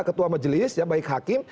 ketua majelis baik hakim